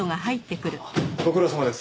ご苦労さまです。